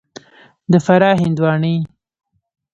د فراه هندوانې